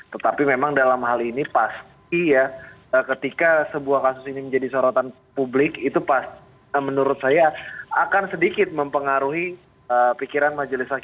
tetapi memang dalam hal ini pasti ya ketika sebuah kasus ini menjadi sorotan publik itu menurut saya akan sedikit mempengaruhi pikiran majelis hakim